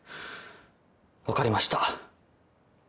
分かりました。